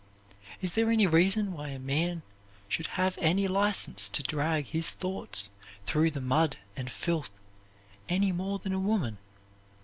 Is there any reason why a man should have any license to drag his thoughts through the mud and filth any more than a woman?